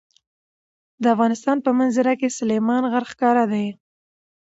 د افغانستان په منظره کې سلیمان غر ښکاره ده.